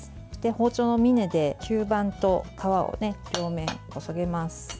包丁の峰で、吸盤と皮を両面こそげます。